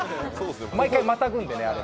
毎回またぐんでね。